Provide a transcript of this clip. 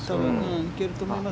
行けると思います。